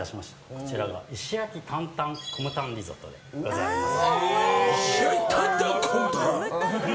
こちらが石焼き担々コムタンリゾットでございます。